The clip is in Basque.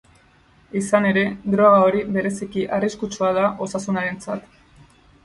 Izan ere, droga hori bereziki arriskutsua da osasunarentzat.